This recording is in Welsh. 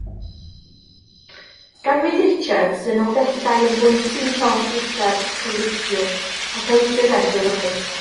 Ganwyd Richards yn Nolgellau yn blentyn i Thomas Richards, cyfreithiwr, ac Elizabeth ei wraig.